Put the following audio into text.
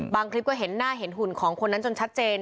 คลิปก็เห็นหน้าเห็นหุ่นของคนนั้นจนชัดเจน